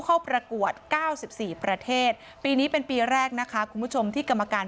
เข้าประกวด๙๔ประเทศปีนี้เป็นปีแรกนะคะคุณผู้ชมที่กรรมการ